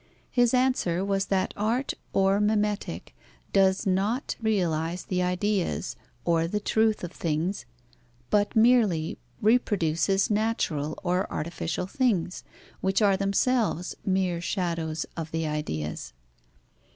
His answer was that art or mimetic does not realize the ideas, or the truth of things, but merely reproduces natural or artificial things, which are themselves mere shadows of the ideas.